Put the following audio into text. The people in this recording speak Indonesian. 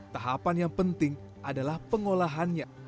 tahapan yang penting adalah pengolahannya